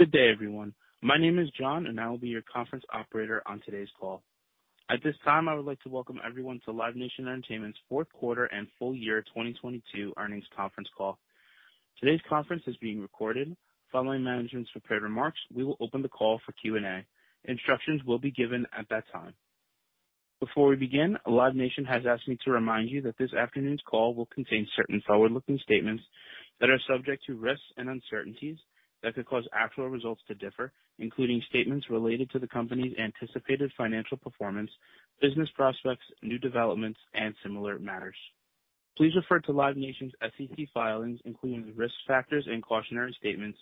Good day, everyone. My name is John, I will be your conference operator on today's call. At this time, I would like to welcome everyone to Live Nation Entertainment's Q4 and Full Year 2022 Earnings Conference Call. Today's conference is being recorded. Following management's prepared remarks, we will open the call for Q&A. Instructions will be given at that time. Before we begin, Live Nation has asked me to remind you that this afternoon's call will contain certain forward-looking statements that are subject to risks and uncertainties that could cause actual results to differ, including statements related to the company's anticipated financial performance, business prospects, new developments, and similar matters. Please refer to Live Nation's SEC filings, including the risk factors and cautionary statements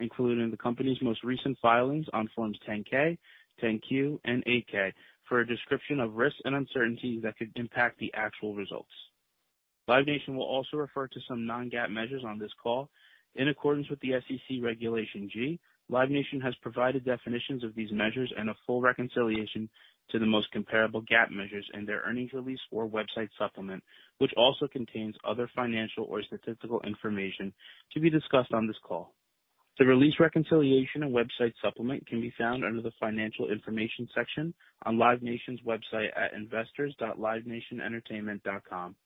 included in the company's most recent filings on Forms 10-K, 10-Q and 8-K for a description of risks and uncertainties that could impact the actual results. Live Nation will also refer to some non-GAAP measures on this call. In accordance with the SEC Regulation G, Live Nation has provided definitions of these measures and a full reconciliation to the most comparable GAAP measures in their earnings release or website supplement, which also contains other financial or statistical information to be discussed on this call. The release reconciliation and website supplement can be found under the Financial Information section on Live Nation's website at investors.livenationentertainment.com.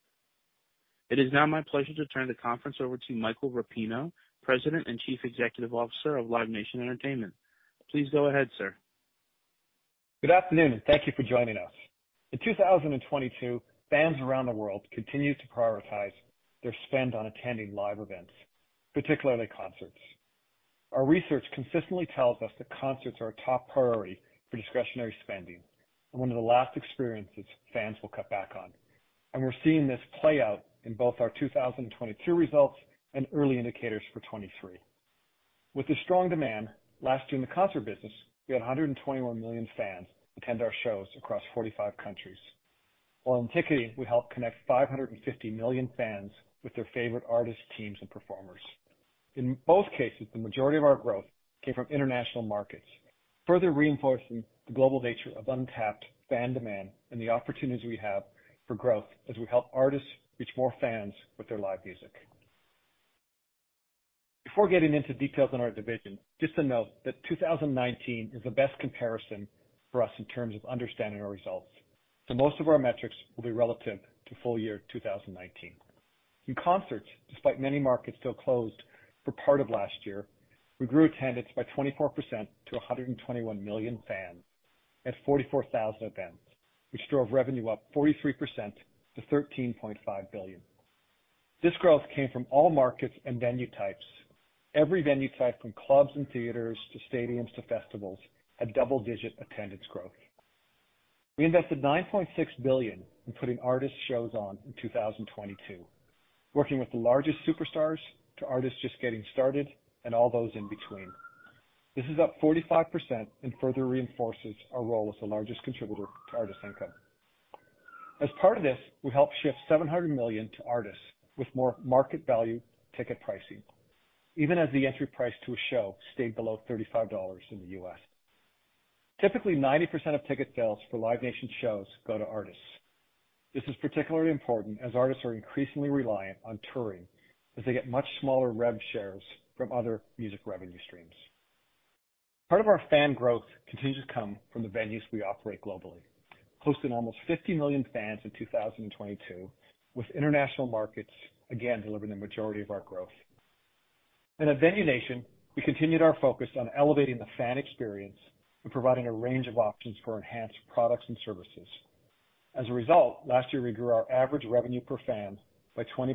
It is now my pleasure to turn the conference over to Michael Rapino, President and Chief Executive Officer of Live Nation Entertainment. Please go ahead, sir. Good afternoon, thank you for joining us. In 2022, fans around the world continued to prioritize their spend on attending live events, particularly concerts. Our research consistently tells us that concerts are a top priority for discretionary spending and one of the last experiences fans will cut back on. We're seeing this play out in both our 2022 results and early indicators for 2023. With the strong demand last year in the concert business, we had 121 million fans attend our shows across 45 countries, while in ticketing, we helped connect 550 million fans with their favorite artists, teams, and performers. In both cases, the majority of our growth came from international markets, further reinforcing the global nature of untapped fan demand and the opportunities we have for growth as we help artists reach more fans with their live music. Before getting into details on our divisions, just to note that 2019 is the best comparison for us in terms of understanding our results. Most of our metrics will be relative to full year 2019. In concerts, despite many markets still closed for part of last year, we grew attendance by 24% to 121 million fans at 44,000 events, which drove revenue up 43% to $13.5 billion. This growth came from all markets and venue types. Every venue type, from clubs and theaters to stadiums to festivals, had double-digit attendance growth. We invested $9.6 billion in putting artist shows on in 2022, working with the largest superstars to artists just getting started and all those in between. This is up 45% and further reinforces our role as the largest contributor to artist income. As part of this, we helped shift $700 million to artists with more market value ticket pricing, even as the entry price to a show stayed below $35 in the U.S. Typically, 90% of ticket sales for Live Nation shows go to artists. This is particularly important as artists are increasingly reliant on touring, as they get much smaller rev shares from other music revenue streams. Part of our fan growth continues to come from the venues we operate globally, hosting almost 50 million fans in 2022, with international markets again delivering the majority of our growth. At Venue Nation, we continued our focus on elevating the fan experience and providing a range of options for enhanced products and services. As a result, last year, we grew our average revenue per fan by 20%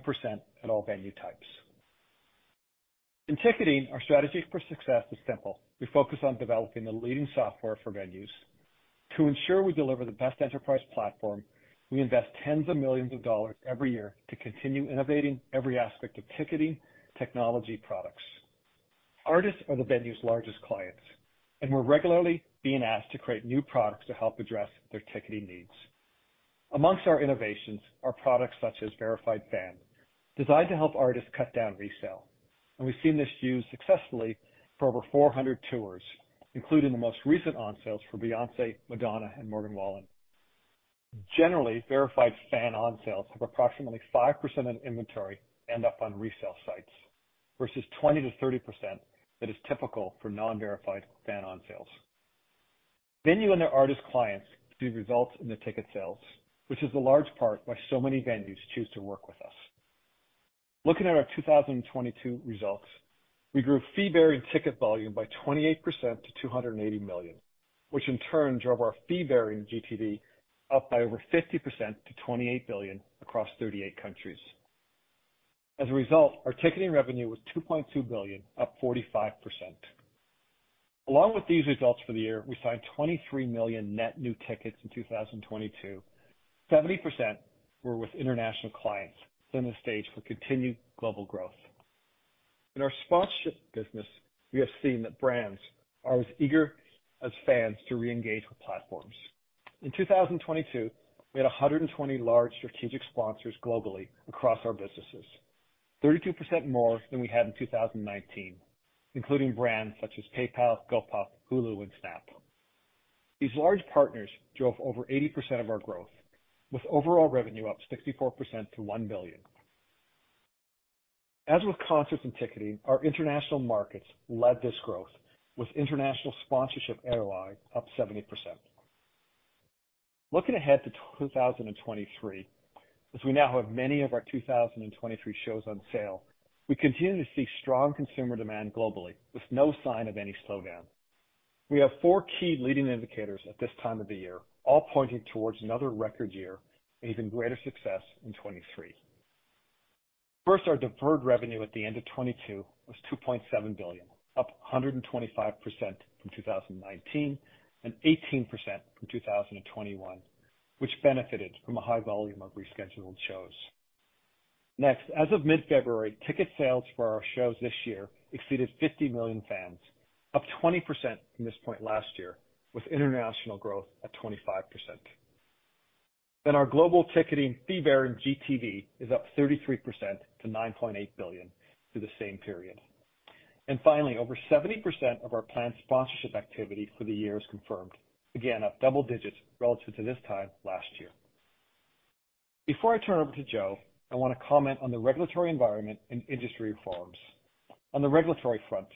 at all venue types. In ticketing, our strategy for success is simple. We focus on developing the leading software for venues. To ensure we deliver the best enterprise platform, we invest tens of millions of dollars every year to continue innovating every aspect of ticketing technology products. Artists are the venue's largest clients, and we're regularly being asked to create new products to help address their ticketing needs. Amongst our innovations are products such as Verified Fan, designed to help artists cut down resale. We've seen this used successfully for over 400 tours, including the most recent on sales for Beyoncé, Madonna and Morgan Wallen. Generally, Verified Fan on sales have approximately 5% of inventory end up on resale sites versus 20%-30% that is typical for non-Verified Fan on sales. Venue and their artist clients see results in their ticket sales, which is a large part why so many venues choose to work with us. Looking at our 2022 results, we grew fee-bearing ticket volume by 28% to $280 million, which in turn drove our fee-bearing GTV up by over 50% to $28 billion across 38 countries. Our ticketing revenue was $2.2 billion, up 45%. Along with these results for the year, we signed 23 million net new tickets in 2022. 70% were with international clients, setting the stage for continued global growth. In our sponsorship business, we have seen that brands are as eager as fans to reengage with platforms. In 2022, we had 120 large strategic sponsors globally across our businesses, 32% more than we had in 2019, including brands such as PayPal, GOLF+, Hulu and Snap. These large partners drove over 80% of our growth, with overall revenue up 64% to $1 billion. As with concerts and ticketing, our international markets led this growth with international sponsorship ROI up 70%. Looking ahead to 2023, as we now have many of our 2023 shows on sale, we continue to see strong consumer demand globally with no sign of any slowdown. We have four key leading indicators at this time of the year, all pointing towards another record year and even greater success in 2023. First, our deferred revenue at the end of 2022 was $2.7 billion, up 125% from 2019 and 18% from 2021, which benefited from a high volume of rescheduled shows. As of mid-February, ticket sales for our shows this year exceeded 50 million fans, up 20% from this point last year, with international growth at 25%. Our global ticketing fee-bearing GTV is up 33% to $9.8 billion through the same period. Finally, over 70% of our planned sponsorship activity for the year is confirmed. Again, up double digits relative to this time last year. Before I turn it over to Joe, I wanna comment on the regulatory environment and industry reforms. On the regulatory front,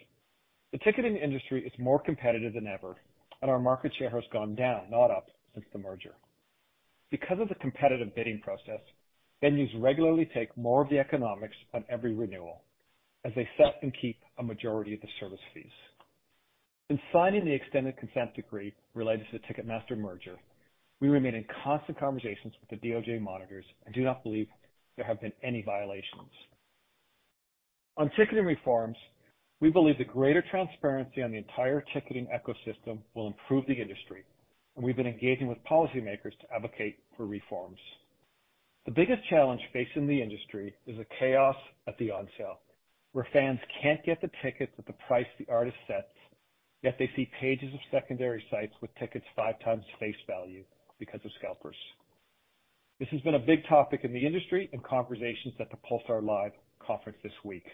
the ticketing industry is more competitive than ever, and our market share has gone down, not up, since the merger. Because of the competitive bidding process, venues regularly take more of the economics on every renewal as they set and keep a majority of the service fees. In signing the extended consent decree related to the Ticketmaster merger, we remain in constant conversations with the DOJ monitors and do not believe there have been any violations. On ticketing reforms, we believe the greater transparency on the entire ticketing ecosystem will improve the industry, and we've been engaging with policymakers to advocate for reforms. The biggest challenge facing the industry is a chaos at the on sale, where fans can't get the tickets at the price the artist sets, yet they see pages of secondary sites with tickets five times face value because of scalpers. This has been a big topic in the industry and conversations at the Pollstar Live conference this week,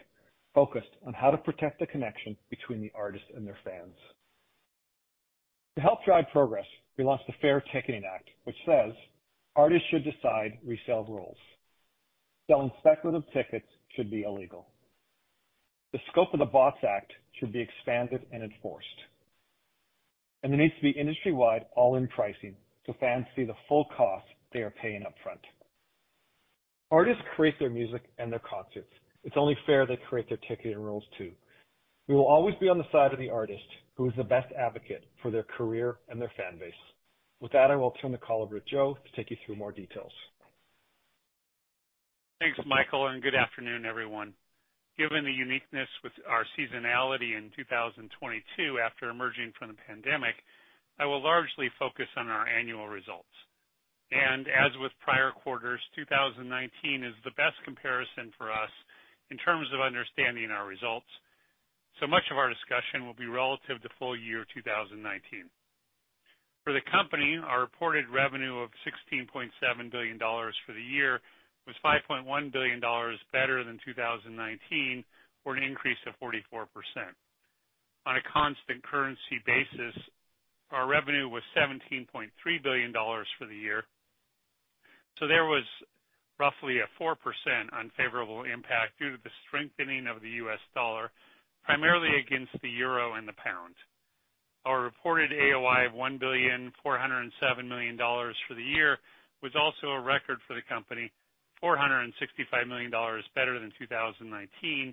focused on how to protect the connection between the artists and their fans. To help drive progress, we launched the FAIR Ticketing Act, which says artists should decide resale rules. Selling speculative tickets should be illegal. The scope of the BOTS Act should be expanded and enforced. There needs to be industry-wide all-in pricing, so fans see the full cost they are paying up front. Artists create their music and their concerts. It's only fair they create their ticketing rules too. We will always be on the side of the artist, who is the best advocate for their career and their fan base. With that, I will turn the call over to Joe to take you through more details. Thanks, Michael. Good afternoon, everyone. Given the uniqueness with our seasonality in 2022 after emerging from the pandemic, I will largely focus on our annual results. As with prior quarters, 2019 is the best comparison for us in terms of understanding our results. Much of our discussion will be relative to full year 2019. For the company, our reported revenue of $16.7 billion for the year was $5.1 billion better than 2019 or an increase of 44%. On a constant currency basis, our revenue was $17.3 billion for the year. There was roughly a 4% unfavorable impact due to the strengthening of the US dollar, primarily against the euro and the pound. Our reported AOI of $1,407 million for the year was also a record for the company, $465 million better than 2019,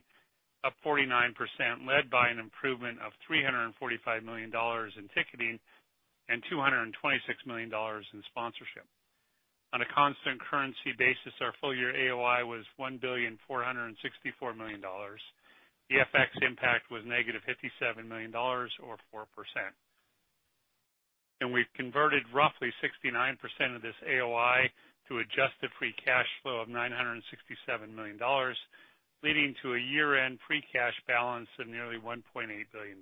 up 49%, led by an improvement of $345 million in ticketing and $226 million in sponsorship. On a constant currency basis, our full year AOI was $1,464 million. The FX impact was -$57 million or 4%. We've converted roughly 69% of this AOI to adjusted free cash flow of $967 million, leading to a year-end free cash balance of nearly $1.8 billion.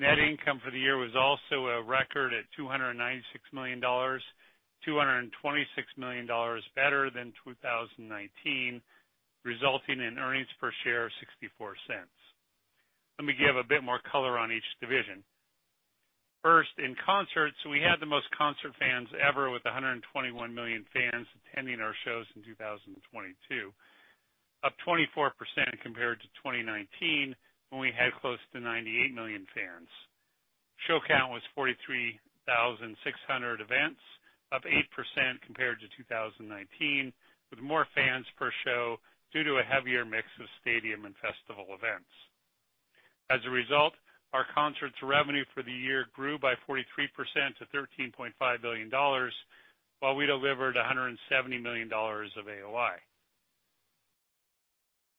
Net income for the year was also a record at $296 million, $226 million better than 2019, resulting in earnings per share of $0.64. Let me give a bit more color on each division. First, in concerts, we had the most concert fans ever with 121 million fans attending our shows in 2022, up 24% compared to 2019 when we had close to 98 million fans. Show count was 43,600 events, up 8% compared to 2019, with more fans per show due to a heavier mix of stadium and festival events. As a result, our concerts revenue for the year grew by 43% to $13.5 billion, while we delivered $170 million of AOI.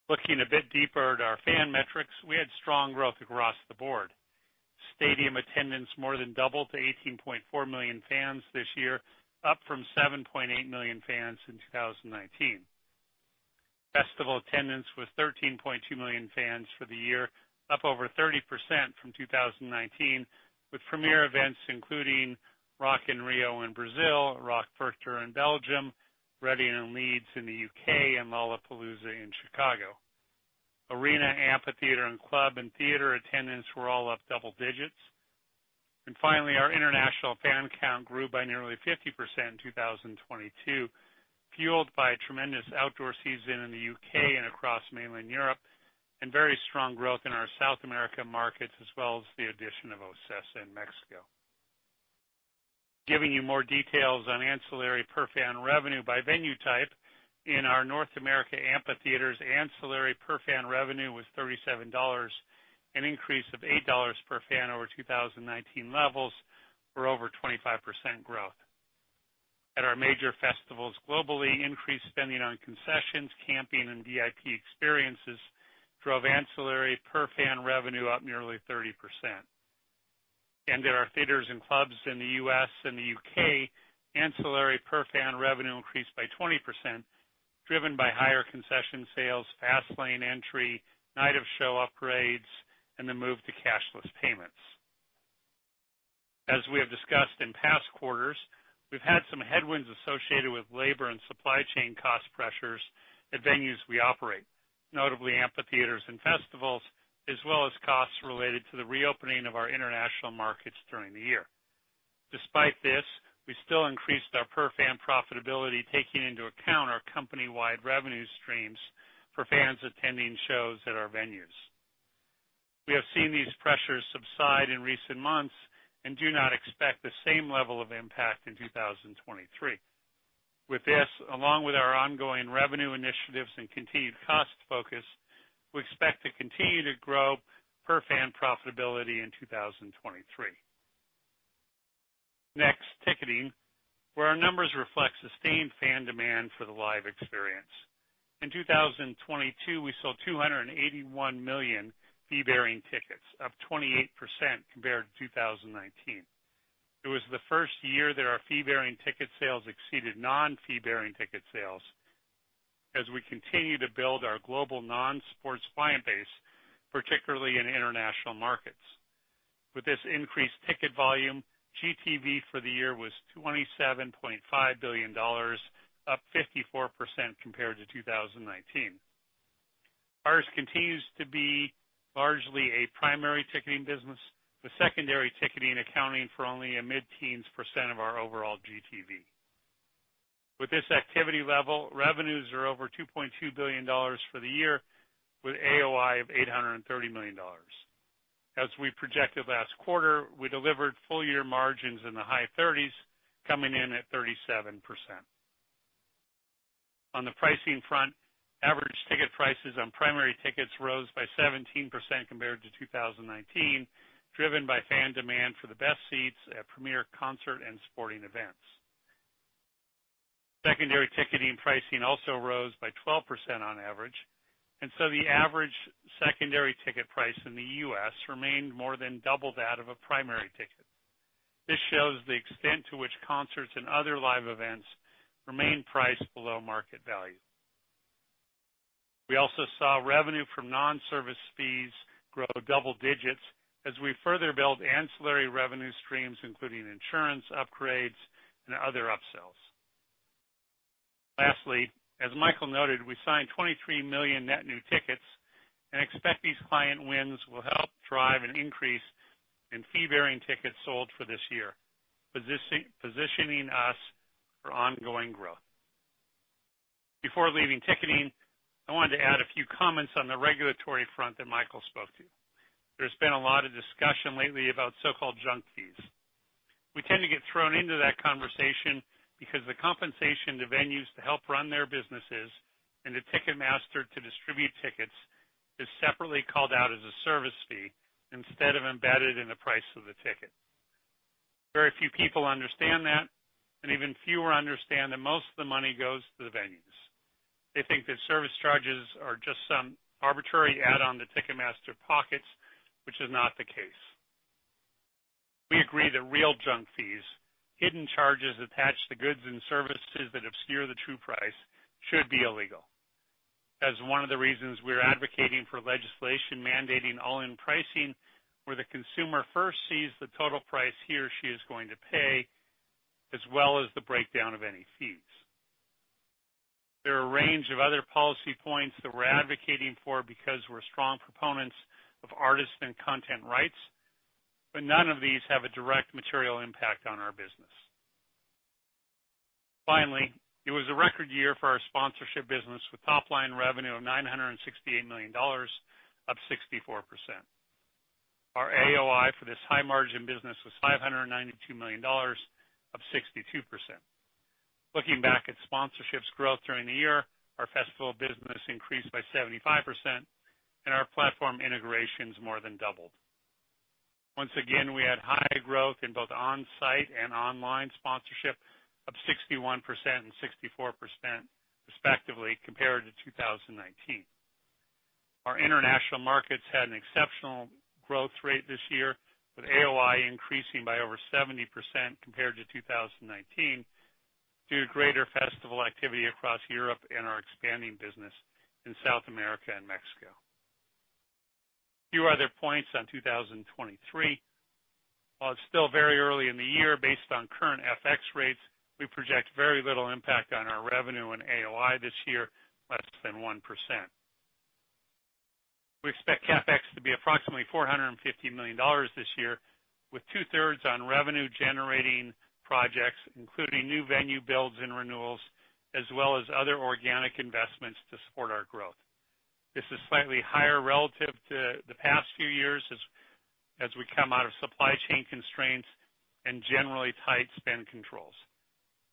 Looking a bit deeper at our fan metrics, we had strong growth across the board. Stadium attendance more than doubled to 18.4 million fans this year, up from 7.8 million fans in 2019. Festival attendance was 13.2 million fans for the year, up over 30% from 2019, with premier events including Rock in Rio in Brazil, Rock Werchter in Belgium, Reading and Leeds in the UK, and Lollapalooza in Chicago. Arena, amphitheater and club and theater attendance were all up double digits. Finally, our international fan count grew by nearly 50% in 2022, fueled by a tremendous outdoor season in the UK and across mainland Europe, and very strong growth in our South America markets, as well as the addition of OCESA in Mexico. Giving you more details on ancillary per fan revenue by venue type, in our North America amphitheaters, ancillary per fan revenue was $37, an increase of $8 per fan over 2019 levels, or over 25% growth. There are major festivals globally, increased spending on concessions, camping and VIP experiences drove ancillary per fan revenue up nearly 30%. There are theaters and clubs in the U.S. and the U.K., ancillary per fan revenue increased by 20%, driven by higher concession sales, fast lane entry, night of show upgrades, and the move to cashless payments. As we have discussed in past quarters, we've had some headwinds associated with labor and supply chain cost pressures at venues we operate, notably amphitheaters and festivals, as well as costs related to the reopening of our international markets during the year. Despite this, we still increased our per fan profitability, taking into account our company-wide revenue streams for fans attending shows at our venues. We have seen these pressures subside in recent months and do not expect the same level of impact in 2023. With this, along with our ongoing revenue initiatives and continued cost focus, we expect to continue to grow per fan profitability in 2023. Next, ticketing, where our numbers reflect sustained fan demand for the live experience. In 2022, we sold $281 million fee-bearing tickets, up 28% compared to 2019. It was the first year that our fee-bearing ticket sales exceeded non-fee-bearing ticket sales as we continue to build our global non-sports client base, particularly in international markets. With this increased ticket volume, GTV for the year was $27.5 billion, up 54% compared to 2019. Ours continues to be largely a primary ticketing business, with secondary ticketing accounting for only a mid-teens % of our overall GTV. With this activity level, revenues are over $2.2 billion for the year, with AOI of $830 million. As we projected last quarter, we delivered full-year margins in the high 30s, coming in at 37%. On the pricing front, average ticket prices on primary tickets rose by 17% compared to 2019, driven by fan demand for the best seats at premier concert and sporting events. Secondary ticketing pricing also rose by 12% on average, and so the average secondary ticket price in the U.S. remained more than double that of a primary ticket. This shows the extent to which concerts and other live events remain priced below market value. We also saw revenue from non-service fees grow double digits as we further build ancillary revenue streams, including insurance upgrades and other upsells. Lastly, as Michael noted, we signed 23 million net new tickets and expect these client wins will help drive an increase in fee-bearing tickets sold for this year, positioning us for ongoing growth. Before leaving ticketing, I wanted to add a few comments on the regulatory front that Michael spoke to. There's been a lot of discussion lately about so-called junk fees. We tend to get thrown into that conversation because the compensation to venues to help run their businesses and to Ticketmaster to distribute tickets is separately called out as a service fee instead of embedded in the price of the ticket. Very few people understand that, and even fewer understand that most of the money goes to the venues. They think that service charges are just some arbitrary add-on to Ticketmaster pockets, which is not the case. We agree that real junk fees, hidden charges attached to goods and services that obscure the true price should be illegal. That's one of the reasons we're advocating for legislation mandating all-in pricing, where the consumer first sees the total price he or she is going to pay, as well as the breakdown of any fees. There are a range of other policy points that we're advocating for because we're strong proponents of artists and content rights, but none of these have a direct material impact on our business. Finally, it was a record year for our sponsorship business, with top line revenue of $968 million, up 64%. Our AOI for this high margin business was $592 million, up 62%. Looking back at sponsorships growth during the year, our festival business increased by 75% and our platform integrations more than doubled. Once again, we had high growth in both on-site and online sponsorship of 61% and 64% respectively compared to 2019. Our international markets had an exceptional growth rate this year, with AOI increasing by over 70% compared to 2019 due to greater festival activity across Europe and our expanding business in South America and Mexico. Few other points on 2023. While it's still very early in the year, based on current FX rates, we project very little impact on our revenue and AOI this year, less than 1%. We expect CapEx to be approximately $450 million this year, with two-thirds on revenue-generating projects, including new venue builds and renewals, as well as other organic investments to support our growth. This is slightly higher relative to the past few years as we come out of supply chain constraints and generally tight spend controls.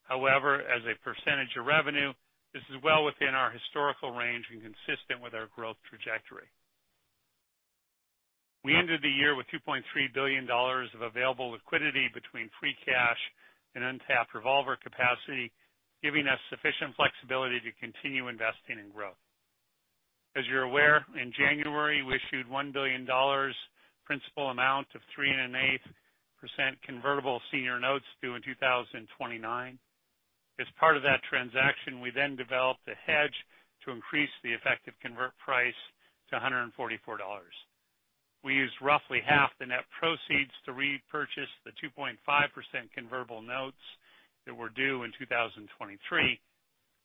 However, as a % of revenue, this is well within our historical range and consistent with our growth trajectory. We ended the year with $2.3 billion of available liquidity between free cash and untapped revolver capacity, giving us sufficient flexibility to continue investing in growth. As you're aware, in January, we issued $1 billion principal amount of 3.125% convertible senior notes due in 2029. As part of that transaction, we then developed a hedge to increase the effective convert price to $144. We used roughly half the net proceeds to repurchase the 2.5% convertible notes that were due in 2023,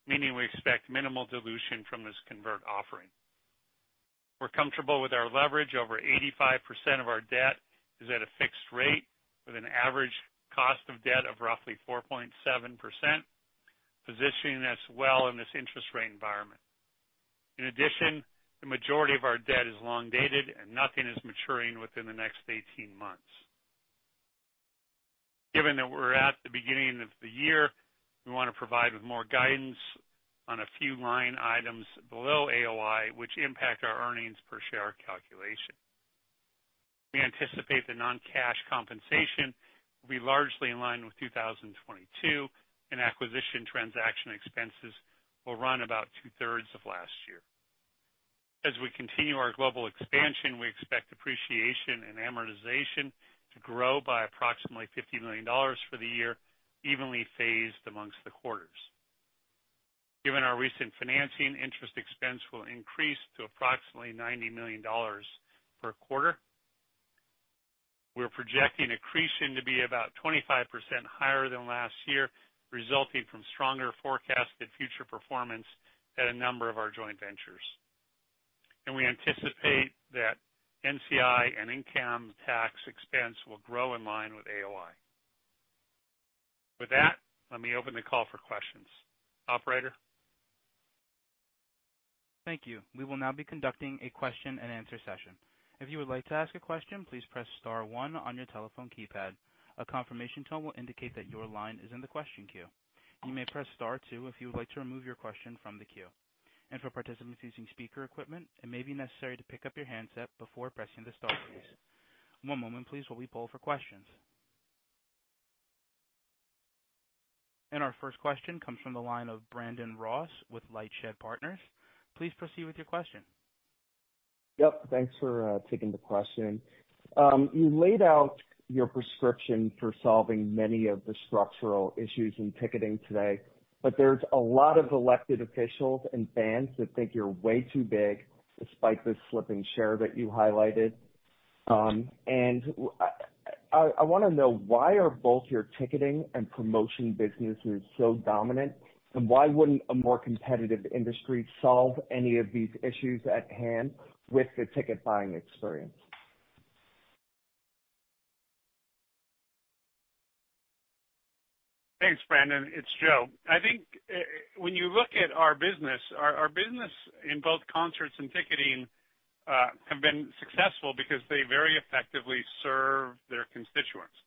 meaning we expect minimal dilution from this convert offering. We're comfortable with our leverage. Over 85% of our debt is at a fixed rate with an average cost of debt of roughly 4.7%, positioning us well in this interest rate environment. In addition, the majority of our debt is long dated and nothing is maturing within the next 18 months. Given that we're at the beginning of the year, we wanna provide with more guidance on a few line items below AOI which impact our earnings per share calculation. We anticipate the non-cash compensation will be largely in line with 2022 and acquisition transaction expenses will run about two-thirds of last year. As we continue our global expansion, we expect depreciation and amortization to grow by approximately $50 million for the year, evenly phased amongst the quarters. Given our recent financing, interest expense will increase to approximately $90 million per quarter. We're projecting accretion to be about 25% higher than last year, resulting from stronger forecasted future performance at a number of our joint ventures. We anticipate that NCI and income tax expense will grow in line with AOI. With that, let me open the call for questions. Operator? Thank you. We will now be conducting a Q&A session. If you would like to ask a question, please press Star one on your telephone keypad. A confirmation tone will indicate that your line is in the question queue. You may press Star two if you would like to remove your question from the queue. For participants using speaker equipment, it may be necessary to pick up your handset before pressing the Star keys. One moment please while we poll for questions. Our first question comes from the line of Brandon Ross with LightShed Partners. Please proceed with your question. Yep. Thanks for taking the question. You laid out your prescription for solving many of the structural issues in ticketing today. There's a lot of elected officials and fans that think you're way too big, despite the slipping share that you highlighted. I wanna know why are both your ticketing and promotion businesses so dominant, and why wouldn't a more competitive industry solve any of these issues at hand with the ticket buying experience? Thanks, Brandon. It's Joe. I think, when you look at our business, our business in both concerts and ticketing have been successful because they very effectively serve their constituents.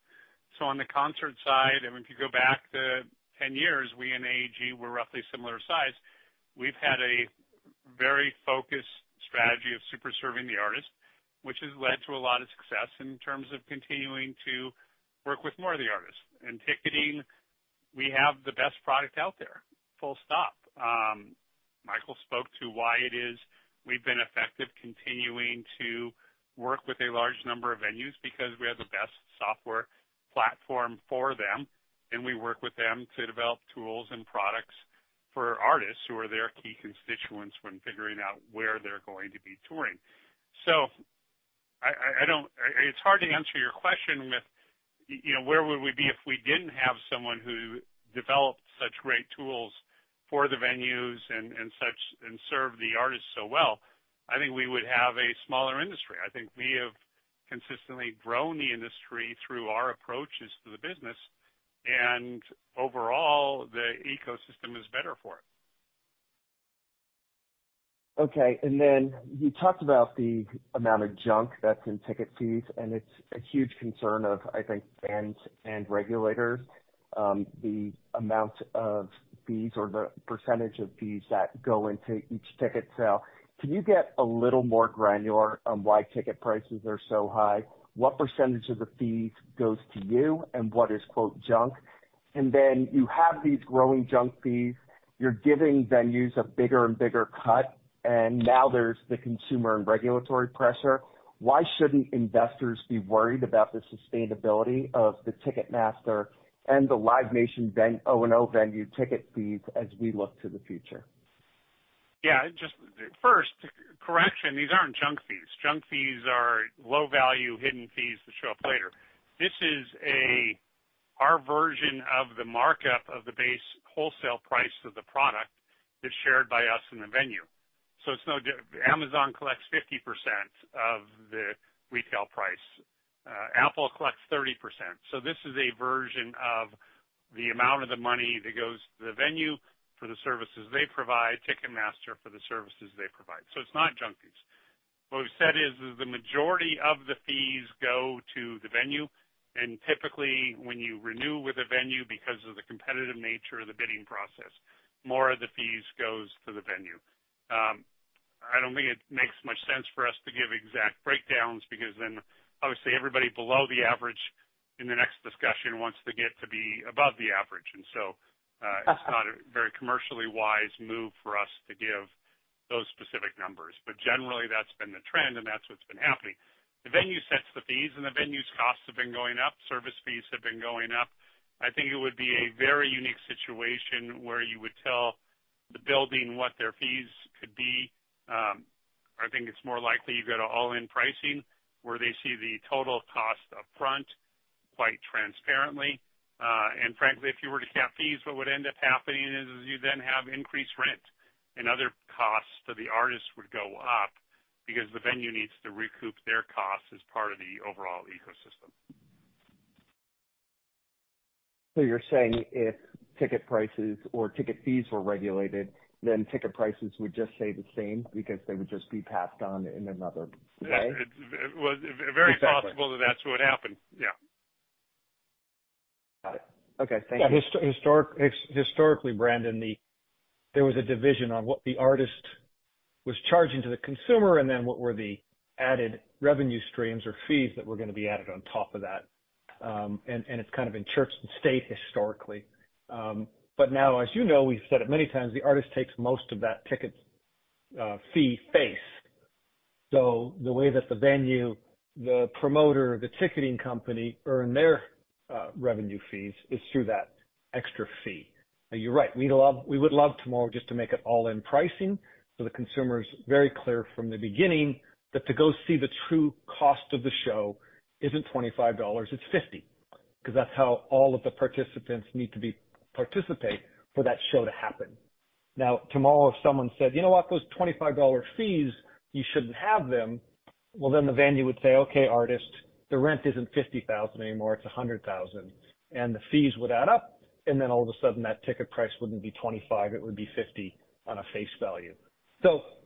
On the concert side, I mean, if you go back to 10 years, we and AEG were roughly similar size. We've had a very focused strategy of super serving the artist, which has led to a lot of success in terms of continuing to work with more of the artists. In ticketing, we have the best product out there, full stop. Michael spoke to why it is we've been effective continuing to work with a large number of venues because we have the best software platform for them, and we work with them to develop tools and products for artists who are their key constituents when figuring out where they're going to be touring. It's hard to answer your question with, you know, where would we be if we didn't have someone who developed such great tools for the venues and such, and served the artists so well. I think we would have a smaller industry. I think we have consistently grown the industry through our approaches to the business, and overall, the ecosystem is better for it. Okay. You talked about the amount of junk that's in ticket fees, and it's a huge concern of, I think, fans and regulators, the amount of fees or the percentage of fees that go into each ticket sale. Can you get a little more granular on why ticket prices are so high? What percentage of the fees goes to you, and what is, quote, junk? You have these growing junk fees. You're giving venues a bigger and bigger cut, and now there's the consumer and regulatory pressure. Why shouldn't investors be worried about the sustainability of the Ticketmaster and the Live Nation O&O venue ticket fees as we look to the future? Just first correction, these aren't junk fees. Junk fees are low value, hidden fees that show up later. This is our version of the markup of the base wholesale price of the product that's shared by us in the venue. It's no Amazon collects 50% of the retail price. Apple collects 30%. This is a version of the amount of the money that goes to the venue for the services they provide, Ticketmaster for the services they provide. It's not junk fees. What we've said is the majority of the fees go to the venue, and typically when you renew with a venue because of the competitive nature of the bidding process, more of the fees goes to the venue. I don't think it makes much sense for us to give exact breakdowns because then obviously everybody below the average in the next discussion wants to get to be above the average. It's not a very commercially wise move for us to give those specific numbers. Generally that's been the trend and that's what's been happening. The venue sets the fees and the venue's costs have been going up, service fees have been going up. I think it would be a very unique situation where you would tell the building what their fees could be. I think it's more likely you go to all-in pricing, where they see the total cost up front quite transparently. Frankly, if you were to cap fees, what would end up happening is, you then have increased rent and other costs to the artists would go up because the venue needs to recoup their costs as part of the overall ecosystem. You're saying if ticket prices or ticket fees were regulated, then ticket prices would just stay the same because they would just be passed on in another way? It's very possible that's what happened. Yeah. Got it. Okay. Thank you. Historically, Brandon, there was a division on what the artist was charging to the consumer and then what were the added revenue streams or fees that were gonna be added on top of that. And it's kind of in church and state historically. Now, as you know, we've said it many times, the artist takes most of that ticket, fee face. The way that the venue, the promoter, the ticketing company earn their revenue fees is through that extra fee. You're right, we would love tomorrow just to make it all-in pricing, so the consumer is very clear from the beginning that to go see the true cost of the show isn't $25, it's $50. That's how all of the participants need to be participate for that show to happen. Tomorrow, if someone said, "You know what? Those $25 fees, you shouldn't have them." Then the venue would say, "Okay, artist, the rent isn't $50,000 anymore, it's $100,000." The fees would add up, and then all of a sudden that ticket price wouldn't be $25, it would be $50 on a face value.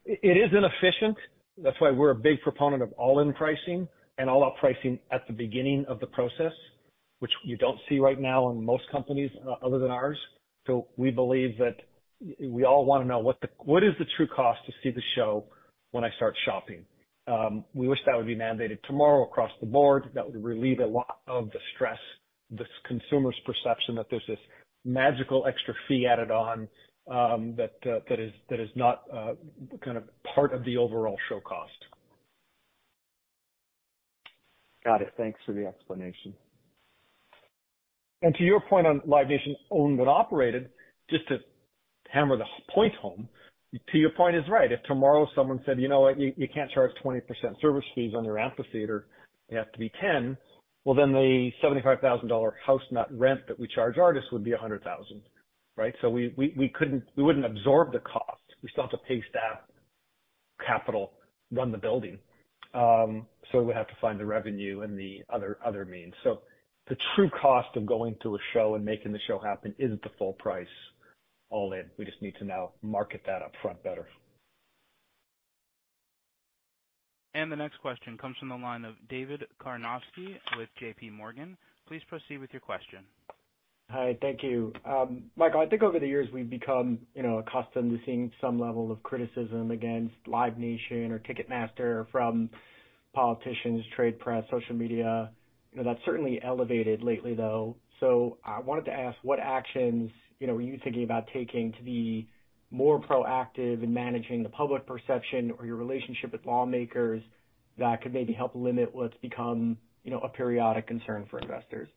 It is inefficient. That's why we're a big proponent of all-in pricing and all-out pricing at the beginning of the process, which you don't see right now in most companies other than ours. We believe that we all wanna know what is the true cost to see the show when I start shopping. We wish that would be mandated tomorrow across the board. That would relieve a lot of the stress, this consumer's perception that there's this magical extra fee added on, that is not kind of part of the overall show cost. Got it. Thanks for the explanation. To your point on Live Nation owned and operated, just to hammer the point home, to your point is right. If tomorrow someone said, "You know what? You can't charge 20% service fees on your amphitheater, they have to be 10." Then the $75,000 house net rent that we charge artists would be $100,000, right? We wouldn't absorb the cost. We still have to pay staff, capital, run the building. We have to find the revenue and other means. The true cost of going to a show and making the show happen isn't the full price all in. We just need to now market that up front better. The next question comes from the line of David Karnovsky with J.P. Morgan. Please proceed with your question. Hi, thank you. Michael, I think over the years, we've become, you know, accustomed to seeing some level of criticism against Live Nation or Ticketmaster from politicians, trade press, social media. You know, that's certainly elevated lately, though. I wanted to ask what actions, you know, are you thinking about taking to be more proactive in managing the public perception or your relationship with lawmakers that could maybe help limit what's become, you know, a periodic concern for investors?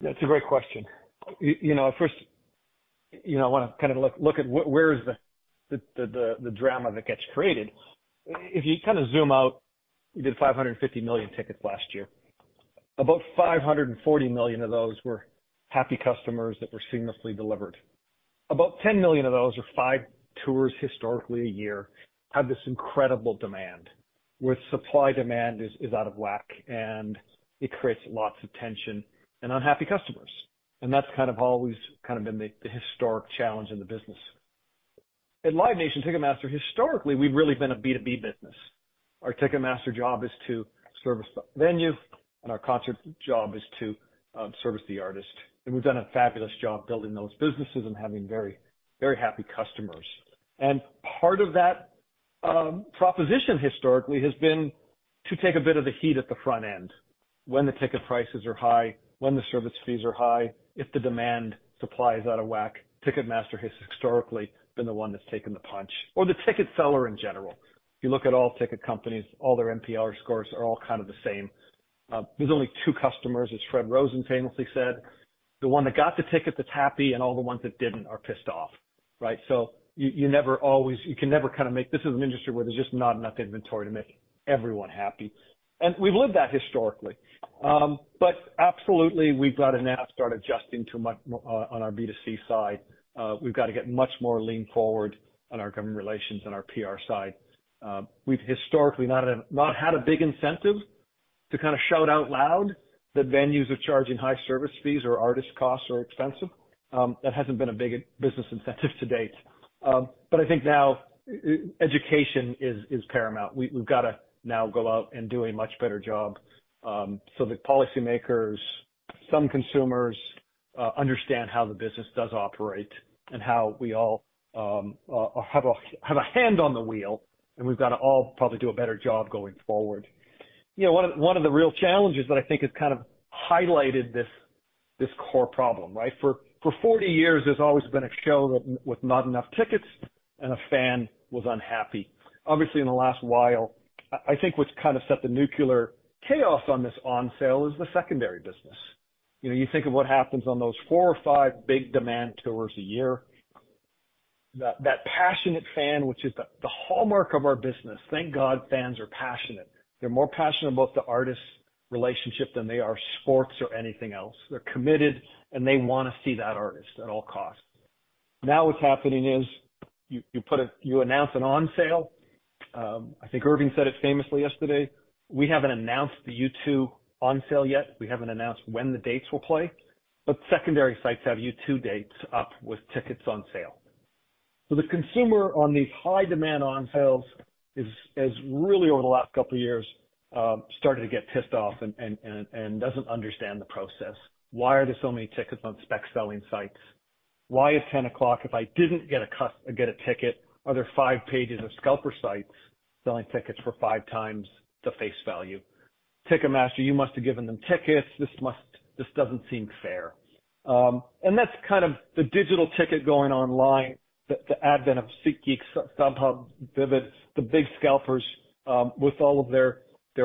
That's a great question. You know, first, you know, I wanna kind of look at where is the drama that gets created. If you kinda zoom out, we did 550 million tickets last year. About 540 million of those were happy customers that were seamlessly delivered. About 10 million of those or five tours historically a year have this incredible demand, where supply demand is out of whack, and it creates lots of tension and unhappy customers. That's kind of always kind of been the historic challenge in the business. At Live Nation Ticketmaster, historically, we've really been a B2B business. Our Ticketmaster job is to service the venue, and our concert job is to service the artist. We've done a fabulous job building those businesses and having very, very happy customers. Part of that proposition historically has been to take a bit of the heat at the front end when the ticket prices are high, when the service fees are high. If the demand supply is out of whack, Ticketmaster has historically been the one that's taken the punch or the ticket seller in general. If you look at all ticket companies, all their NPS scores are all kind of the same. There's only two customers, as Fred Rosen famously said, the one that got the ticket that's happy and all the ones that didn't are pissed off, right. You can never kind of make this is an industry where there's just not enough inventory to make everyone happy, and we've lived that historically. Absolutely, we've got to now start adjusting to much more on our B2C side. We've got to get much more lean forward on our government relations and our PR side. We've historically not had a big incentive to kind of shout out loud that venues are charging high service fees or artist costs are expensive. That hasn't been a big business incentive to date. I think now e-education is paramount. We've got to now go out and do a much better job, so that policymakers, some consumers, understand how the business does operate and how we all have a hand on the wheel, and we've got to all probably do a better job going forward. You know, one of the real challenges that I think has kind of highlighted this core problem, right? For 40 years, there's always been a show that with not enough tickets and a fan was unhappy. Obviously, in the last while, I think what's kind of set the nuclear chaos on this on sale is the secondary business. You know, you think of what happens on those 4 or 5 big demand tours a year. That passionate fan, which is the hallmark of our business. Thank God fans are passionate. They're more passionate about the artist's relationship than they are sports or anything else. They're committed, and they wanna see that artist at all costs. Now what's happening is you announce an on sale. I think Irving said it famously yesterday, we haven't announced the U2 on sale yet. We haven't announced when the dates will play, but secondary sites have U2 dates up with tickets on sale. The consumer on these high demand on sales is really over the last couple of years started to get pissed off and doesn't understand the process. Why are there so many tickets on spec selling sites? Why at 10 o'clock if I didn't get a ticket, are there five pages of scalper sites selling tickets for five times the face value? Ticketmaster, you must have given them tickets. This doesn't seem fair. That's kind of the digital ticket going online, the advent of SeatGeek, StubHub, Vivid, the big scalpers, with all of their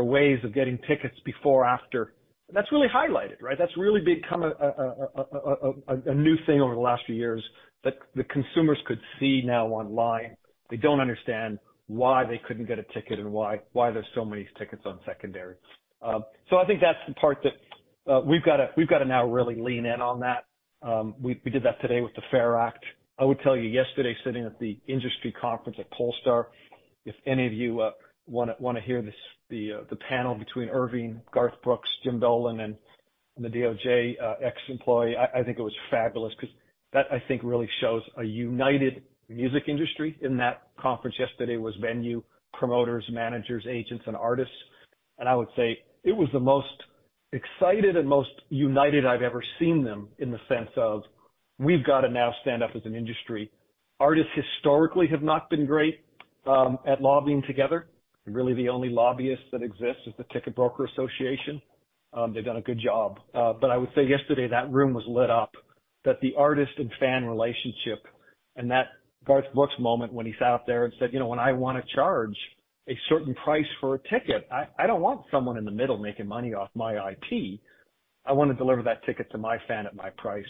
ways of getting tickets before or after. That's really highlighted, right? That's really become a new thing over the last few years that the consumers could see now online. They don't understand why they couldn't get a ticket and why there's so many tickets on secondary. I think that's the part that we've got to now really lean in on that. We did that today with the FAIR Act. I would tell you yesterday, sitting at the industry conference at Pollstar, if any of you wanna hear this, the panel between Irving, Garth Brooks, Jim Dolan, and the DOJ ex-employee, I think it was fabulous because that I think really shows a united music industry. In that conference yesterday was venue, promoters, managers, agents, and artists. I would say it was the most excited and most united I've ever seen them in the sense of we've got to now stand up as an industry. Artists historically have not been great at lobbying together. Really, the only lobbyist that exists is the Ticket Broker Association. They've done a good job. I would say yesterday that room was lit up, that the artist and fan relationship and that Garth Brooks moment when he sat out there and said, "You know, when I wanna charge a certain price for a ticket, I don't want someone in the middle making money off my IP. I wanna deliver that ticket to my fan at my price."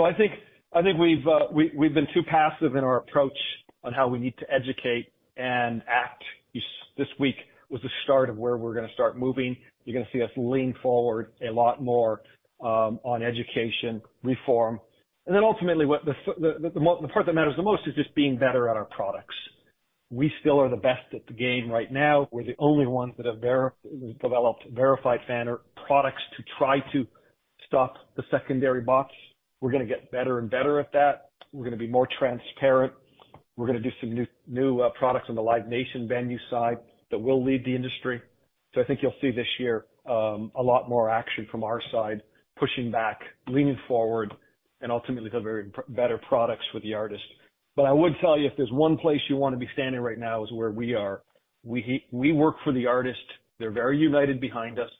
I think we've been too passive in our approach on how we need to educate and act. This week was the start of where we're gonna start moving. You're gonna see us lean forward a lot more on education reform. ultimately, what the part that matters the most is just being better at our products. We still are the best at the game right now. We're the only ones that have developed Verified Fan products to try to stop the secondary bots. We're gonna get better and better at that. We're gonna be more transparent. We're gonna do some new products on the Live Nation venue side that will lead the industry. I think you'll see this year a lot more action from our side, pushing back, leaning forward, and ultimately build very better products for the artist. I would tell you, if there's one place you wanna be standing right now is where we are. We work for the artist. They're very united behind us.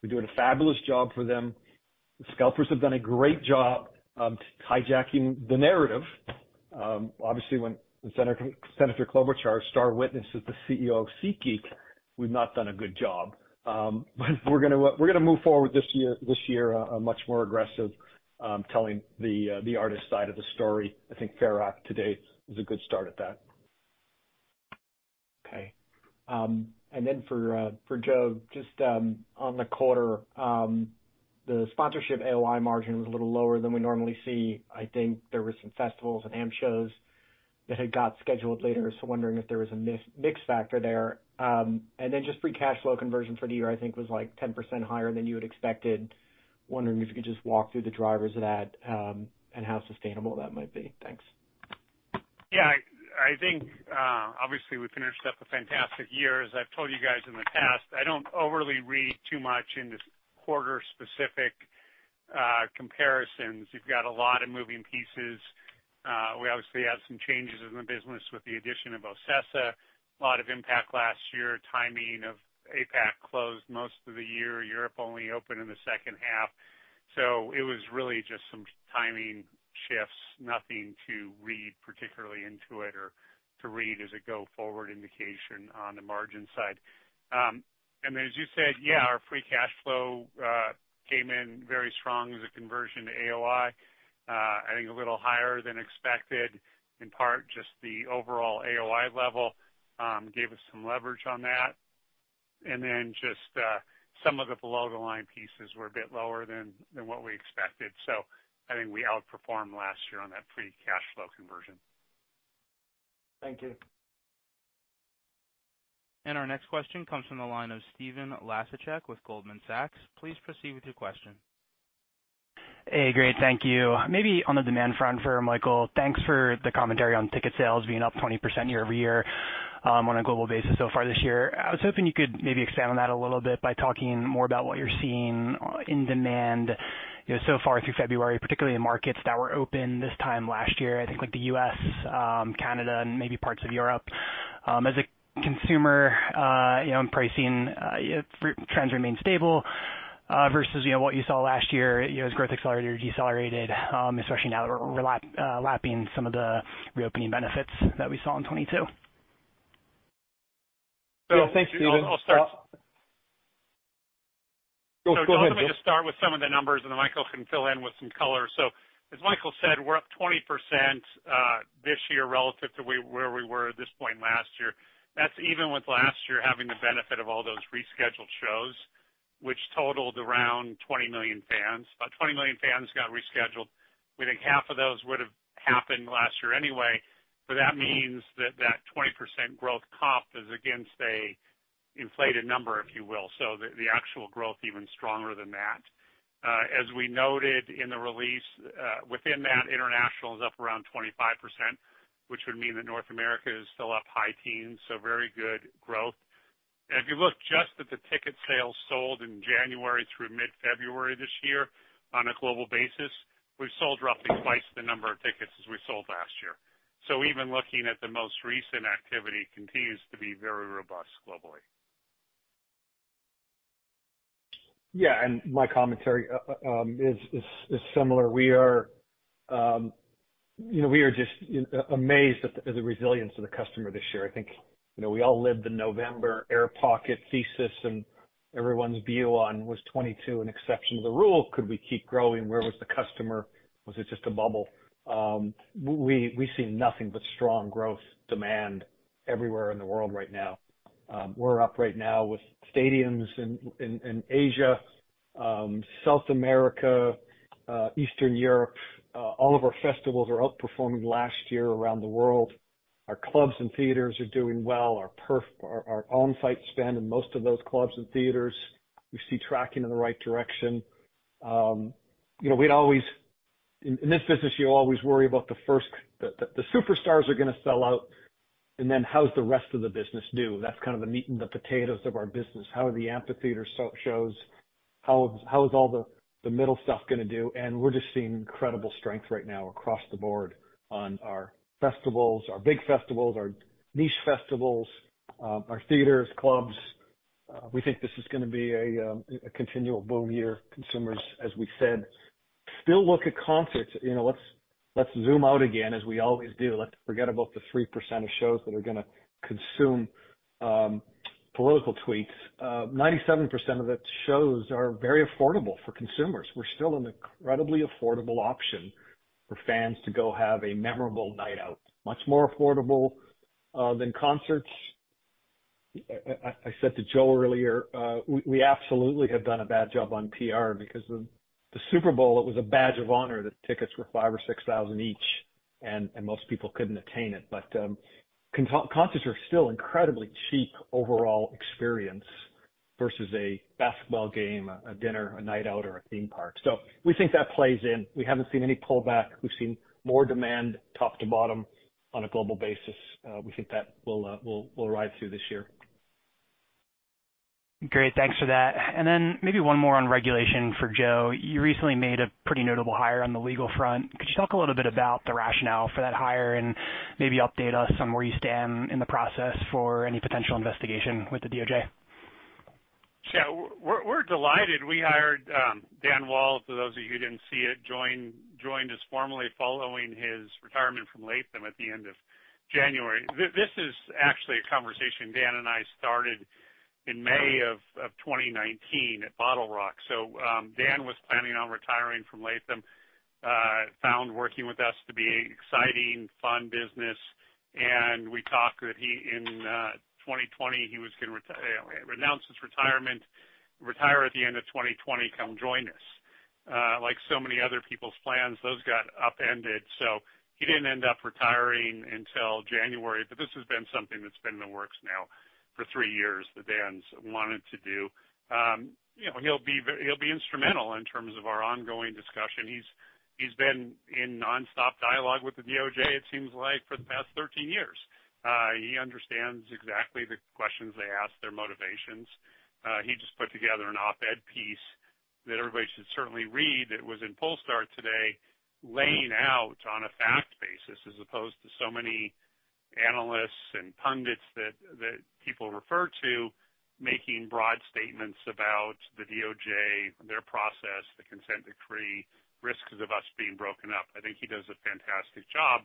We're doing a fabulous job for them. The scalpers have done a great job, hijacking the narrative. Obviously, when Senator Klobuchar star witness is the CEO of SeatGeek, we've not done a good job. We're gonna move forward this year, much more aggressive, telling the artist side of the story. I think FAIR Act to date is a good start at that. For, for Joe, just on the quarter, the sponsorship AOI margin was a little lower than we normally see. I think there were some festivals and AM shows that had got scheduled later. Wondering if there was a mis-mix factor there? Just free cash flow conversion for the year, I think was like 10% higher than you had expected. Wondering if you could just walk through the drivers of that, and how sustainable that might be? Thanks. I think, obviously we finished up a fantastic year. As I've told you guys in the past, I don't overly read too much into quarter specific comparisons. You've got a lot of moving pieces. We obviously have some changes in the business with the addition of OCESA. A lot of impact last year, timing of APAC closed most of the year. Europe only opened in the second half. It was really just some timing shifts, nothing to read particularly into it or to read as a go forward indication on the margin side. As you said, yeah, our free cash flow came in very strong as a conversion to AOI, I think a little higher than expected. In part, just the overall AOI level gave us some leverage on that. Just, some of the below the line pieces were a bit lower than what we expected. I think we outperformed last year on that free cash flow conversion. Thank you. Our next question comes from the line of Stephen Laszczyk with Goldman Sachs. Please proceed with your question. Hey, great. Thank you. Maybe on the demand front for Michael, thanks for the commentary on ticket sales being up 20% year-over-year, on a global basis so far this year. I was hoping you could maybe expand on that a little bit by talking more about what you're seeing in demand, you know, so far through February, particularly in markets that were open this time last year, I think like the U.S., Canada, and maybe parts of Europe, as a consumer, you know, pricing trends remain stable, versus, you know, what you saw last year, you know, as growth accelerated or decelerated, especially now we're lapping some of the reopening benefits that we saw in 2022. Yeah. Thanks, Stephen. I'll start. Go for it, Joe. Joe and me can start with some of the numbers, and then Michael can fill in with some color. As Michael said, we're up 20% this year relative to where we were at this point last year. That's even with last year having the benefit of all those rescheduled shows, which totaled around 20 million fans. About 20 million fans got rescheduled. We think half of those would have happened last year anyway, but that means that 20% growth comp is against a inflated number, if you will. The actual growth even stronger than that. As we noted in the release, within that, international is up around 25%, which would mean that North America is still up high teens, so very good growth. If you look just at the ticket sales sold in January through mid-February this year on a global basis, we've sold roughly twice the number of tickets as we sold last year. Even looking at the most recent activity continues to be very robust globally. Yeah. My commentary is similar. We are, you know, we are just, you know, amazed at the resilience of the customer this year. I think, you know, we all lived the November air pocket thesis, and everyone's view on was 22 an exception to the rule. Could we keep growing? Where was the customer? Was it just a bubble? We see nothing but strong growth demand everywhere in the world right now. We're up right now with stadiums in Asia, South America, Eastern Europe. All of our festivals are outperforming last year around the world. Our clubs and theaters are doing well. Our on-site spend in most of those clubs and theaters, we see tracking in the right direction. You know, in this business, you always worry about the superstars are gonna sell out, and then how's the rest of the business do? That's kind of the meat and the potatoes of our business. How are the amphitheater shows, how is all the middle stuff gonna do? We're just seeing incredible strength right now across the board on our festivals, our big festivals, our niche festivals, our theaters, clubs. We think this is gonna be a continual boom year. Consumers, as we said, still look at concerts. You know, let's zoom out again, as we always do. Let's forget about the 3% of shows that are gonna consume political tweets. 97% of the shows are very affordable for consumers. We're still an incredibly affordable option for fans to go have a memorable night out, much more affordable than concerts. I said to Joe earlier, we absolutely have done a bad job on PR because the Super Bowl, it was a badge of honor that tickets were 5,000 or 6,000 each, and most people couldn't attain it. Concerts are still incredibly cheap overall experience versus a basketball game, a dinner, a night out or a theme park. We think that plays in. We haven't seen any pullback. We've seen more demand top to bottom on a global basis. We think that will ride through this year. Great. Thanks for that. Maybe one more on regulation for Joe. You recently made a pretty notable hire on the legal front. Could you talk a little bit about the rationale for that hire and maybe update us on where you stand in the process for any potential investigation with the DOJ? We're delighted. We hired Dan Wall, for those of you who didn't see it, joined us formally following his retirement from Latham at the end of January. This is actually a conversation Dan and I started in May of 2019 at BottleRock. Dan was planning on retiring from Latham, found working with us to be exciting, fun business, and we talked that in 2020, he was gonna you know, renounce his retirement, retire at the end of 2020, come join us. Like so many other people's plans, those got upended, he didn't end up retiring until January. This has been something that's been in the works now for three years that Dan's wanted to do. You know, he'll be instrumental in terms of our ongoing discussion. He's been in nonstop dialogue with the DOJ, it seems like, for the past 13 years. He understands exactly the questions they ask, their motivations. He just put together an op-ed piece that everybody should certainly read that was in Pollstar today, laying out on a fact basis, as opposed to so many- Analysts and pundits that people refer to making broad statements about the DOJ, their process, the consent decree, risks of us being broken up. I think he does a fantastic job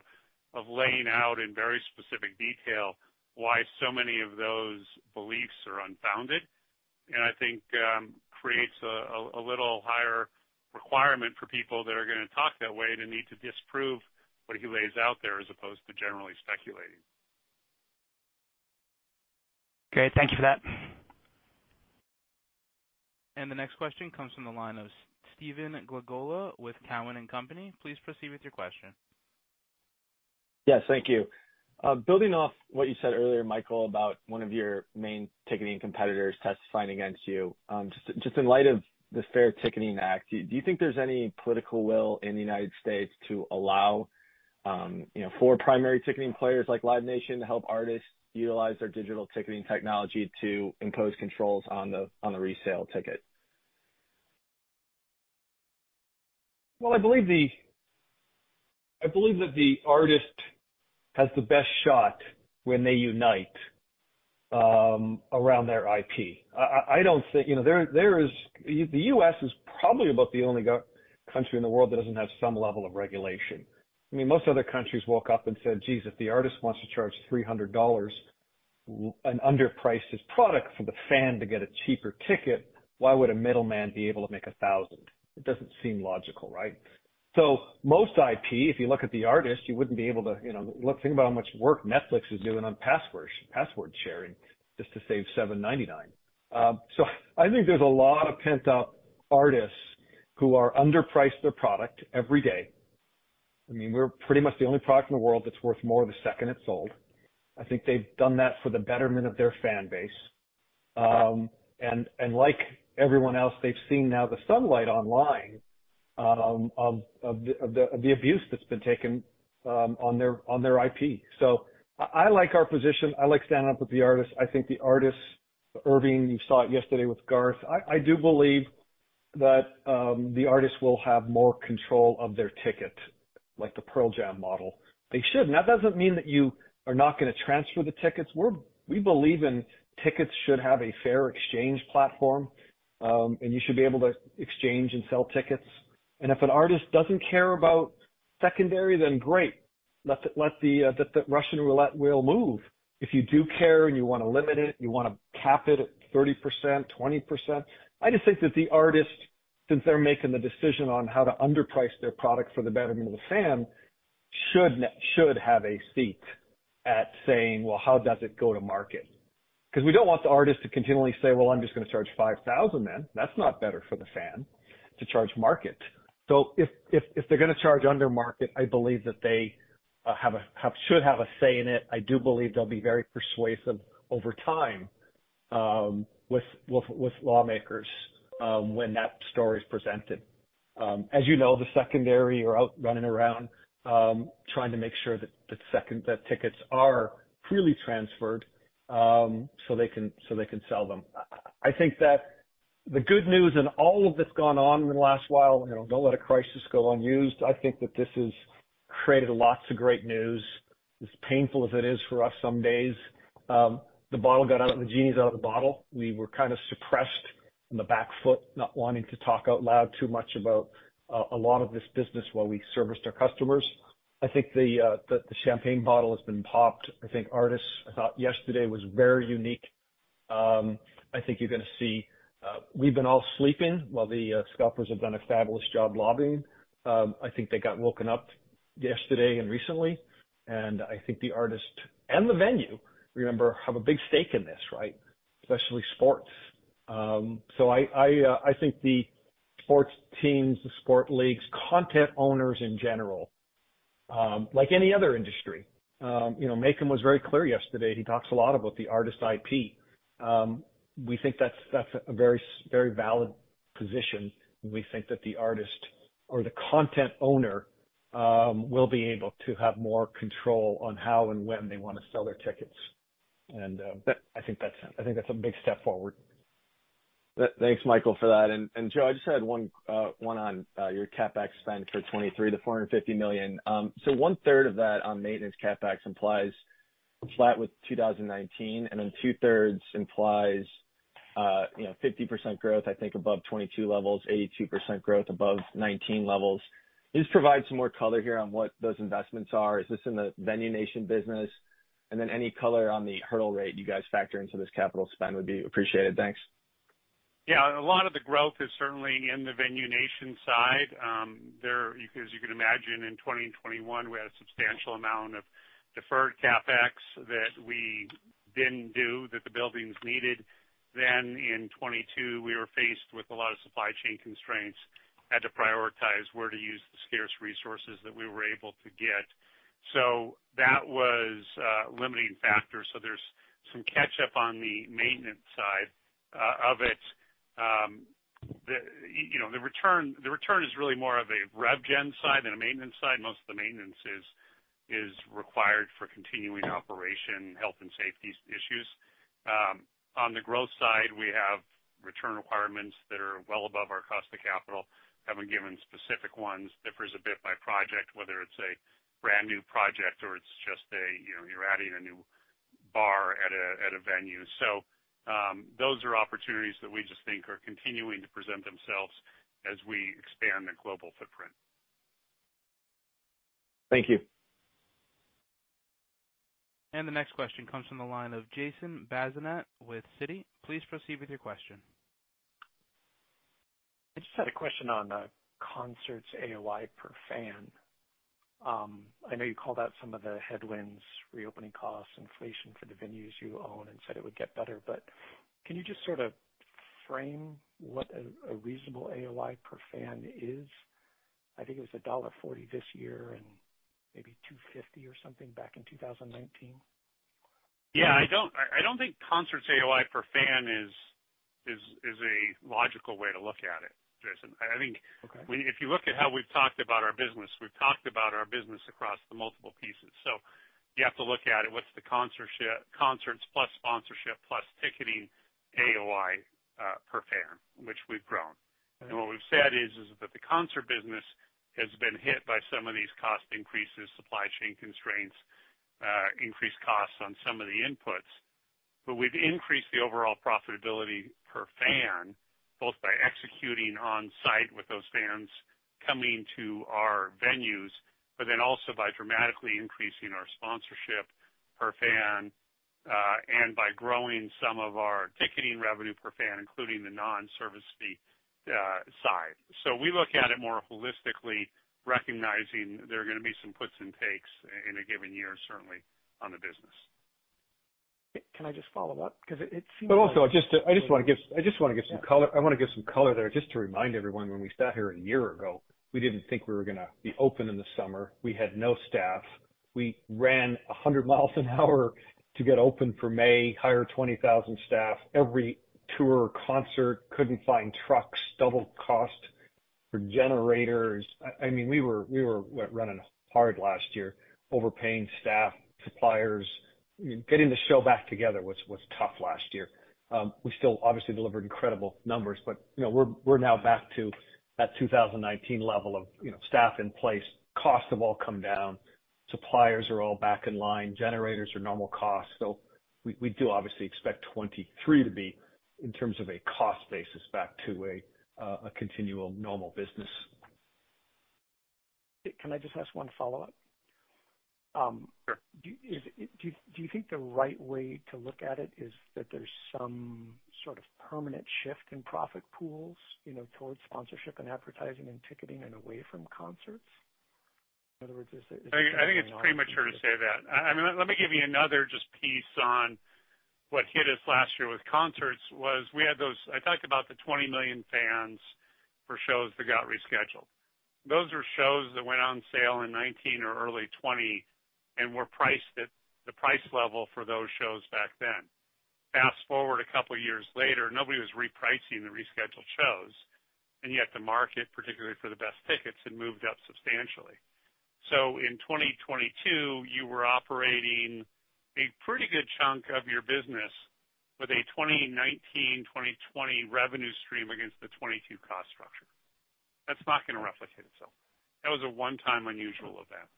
of laying out in very specific detail why so many of those beliefs are unfounded. I think creates a little higher requirement for people that are gonna talk that way to need to disprove what he lays out there as opposed to generally speculating. Great. Thank you for that. The next question comes from the line of Stephen Glagola with Cowen & Company. Please proceed with your question. Thank you. building off what you said earlier, Michael, about one of your main ticketing competitors testifying against you, just in light of the FAIR Ticketing Act, do you think there's any political will in the United States to allow, you know, for primary ticketing players like Live Nation to help artists utilize their digital ticketing technology to impose controls on the resale ticket? I believe that the artist has the best shot when they unite around their IP. I don't think. You know, there is. The U.S. is probably about the only country in the world that doesn't have some level of regulation. I mean, most other countries woke up and said, "Geez, if the artist wants to charge $300, and underprice his product for the fan to get a cheaper ticket, why would a middleman be able to make $1,000?" It doesn't seem logical, right? Most IP, if you look at the artist, you wouldn't be able to, you know, let's think about how much work Netflix is doing on password sharing just to save $7.99. I think there's a lot of pent-up artists who are underpriced their product every day. I mean, we're pretty much the only product in the world that's worth more the second it's sold. I think they've done that for the betterment of their fan base. Like everyone else, they've seen now the sunlight online of the abuse that's been taken on their IP. I like our position. I like standing up with the artist. I think the artist, Irving, you saw it yesterday with Garth. I do believe that the artist will have more control of their ticket, like the Pearl Jam model. They should. That doesn't mean that you are not gonna transfer the tickets. We believe in tickets should have a fair exchange platform, you should be able to exchange and sell tickets. If an artist doesn't care about secondary, great. Let the Russian roulette wheel move. If you do care and you wanna limit it, you wanna cap it at 30%, 20%. I just think that the artist, since they're making the decision on how to underprice their product for the betterment of the fan, should have a seat at saying, "Well, how does it go to market?" We don't want the artist to continually say, "Well, I'm just gonna charge 5,000 then." That's not better for the fan to charge market. If they're gonna charge under market, I believe that they should have a say in it. I do believe they'll be very persuasive over time with lawmakers when that story is presented. As you know, the secondary are out running around, trying to make sure that tickets are freely transferred, so they can, so they can sell them. I think that the good news in all of that's gone on in the last while, you know, don't let a crisis go unused. I think that this has created lots of great news. As painful as it is for us some days, the bottle got out and the genie's out of the bottle. We were kinda suppressed on the back foot, not wanting to talk out loud too much about a lot of this business while we serviced our customers. I think the champagne bottle has been popped. I think artists, I thought yesterday was very unique. I think you're gonna see, we've been all sleeping while the scalpers have done a fabulous job lobbying. I think they got woken up yesterday and recently, and I think the artist and the venue, remember, have a big stake in this, right? Especially sports. So I think the sports teams, the sport leagues, content owners in general, like any other industry, you know, Macon was very clear yesterday. He talks a lot about the artist IP. We think that's a very very valid position. We think that the artist or the content owner, will be able to have more control on how and when they wanna sell their tickets. I think that's, I think that's a big step forward. Thanks, Michael, for that. Joe, I just had one on your CapEx spend for 2023 to $450 million. One-third of that on maintenance CapEx implies flat with 2019, and then two-thirds implies, you know, 50% growth, I think above 2022 levels, 82% growth above 2019 levels. Can you just provide some more color here on what those investments are? Is this in the Venue Nation business? Any color on the hurdle rate you guys factor into this capital spend would be appreciated. Thanks. Yeah. A lot of the growth is certainly in the Venue Nation side. There, as you can imagine, in 2020 and 2021, we had a substantial amount of deferred CapEx that we didn't do that the buildings needed. In 2022, we were faced with a lot of supply chain constraints, had to prioritize where to use the scarce resources that we were able to get. That was a limiting factor. There's some catch-up on the maintenance side of it. You know, the return is really more of a rev gen side than a maintenance side. Most of the maintenance is required for continuing operation, health and safety issues. On the growth side, we have Return requirements that are well above our cost of capital, having given specific ones, differs a bit by project, whether it's a brand new project or it's just a, you know, you're adding a new bar at a venue. Those are opportunities that we just think are continuing to present themselves as we expand the global footprint. Thank you. The next question comes from the line of Jason Bazinet with Citi. Please proceed with your question. I just had a question on the concerts AOI per fan. I know you called out some of the headwinds, reopening costs, inflation for the venues you own and said it would get better. Can you just sort of frame what a reasonable AOI per fan is? I think it was $1.40 this year and maybe $2.50 or something back in 2019. Yeah, I don't, I don't think concerts AOI per fan is a logical way to look at it, Jason. Okay. I think if you look at how we've talked about our business, we've talked about our business across the multiple pieces. You have to look at it, what's the concerts plus sponsorship plus ticketing AOI per fan, which we've grown? What we've said is that the concert business has been hit by some of these cost increases, supply chain constraints, increased costs on some of the inputs. We've increased the overall profitability per fan, both by executing on site with those fans coming to our venues, then also by dramatically increasing our sponsorship per fan, and by growing some of our ticketing revenue per fan, including the non-service fee side. We look at it more holistically, recognizing there are gonna be some puts and takes in a given year, certainly on the business. Can I just follow up? Because it seems- Also I just wanna give some color there just to remind everyone, when we sat here a year ago, we didn't think we were gonna be open in the summer. We had no staff. We ran 100 miles an hour to get open for May, hire 20,000 staff. Every tour, concert, couldn't find trucks, double cost for generators. I mean, we were re-running hard last year, overpaying staff, suppliers. Getting the show back together was tough last year. we still obviously delivered incredible numbers, but, you know, we're now back to that 2019 level of, you know, staff in place. Costs have all come down, suppliers are all back in line, generators are normal cost. We do obviously expect 2023 to be, in terms of a cost basis, back to a continual normal business. Can I just ask one follow-up? Sure. Do you think the right way to look at it is that there's some sort of permanent shift in profit pools, you know, towards sponsorship and advertising and ticketing and away from concerts? In other words, is it. I think it's premature to say that. I mean, let me give you another just piece on what hit us last year with concerts was we had those-- I talked about the 20 million fans for shows that got rescheduled. Those are shows that went on sale in 2019 or early 2020 and were priced at the price level for those shows back then. Fast-forward a couple years later, nobody was repricing the rescheduled shows, and yet the market, particularly for the best tickets, had moved up substantially. In 2022, you were operating a pretty good chunk of your business with a 2019, 2020 revenue stream against the 2022 cost structure. That's not gonna replicate itself. That was a one-time unusual event.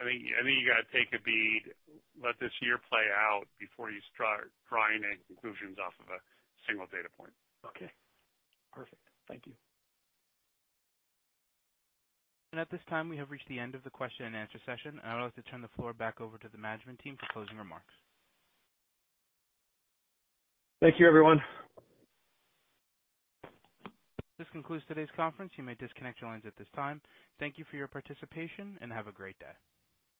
I think you gotta take a bead, let this year play out before you start drawing any conclusions off of a single data point. Okay. Perfect. Thank you. At this time, we have reached the end of the Q&A session, and I'd like to turn the floor back over to the management team for closing remarks. Thank you, everyone. This concludes today's conference. You may disconnect your lines at this time. Thank you for your participation, and have a great day.